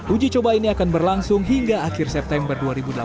uji coba ini akan berlangsung hingga akhir september dua ribu delapan belas